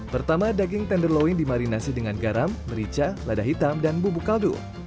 pertama daging tenderloin dimarinasi dengan garam merica lada hitam dan bubuk kaldu